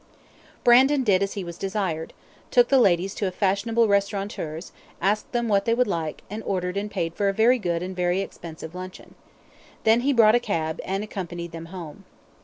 Brandon did as he was desired took the ladies to a fashionable restaurateur's, asked them what they would like, and ordered and paid for a very good and very expensive luncheon. Then he brought a cab, and accompanied them home.